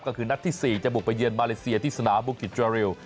ก็คือนัดที่๔จะบุกไปเยือนมาเลเซียที่สนามบุกิจจราริว